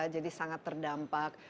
jadi sangat terdampak